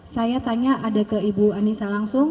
saya tanya ada ke ibu anissa langsung